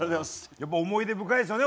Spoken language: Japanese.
やっぱり思い出深いですよね